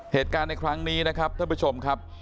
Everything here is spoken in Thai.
เหตุการณ์ในครั้งนี้นะครับท่านผู้ชมครับ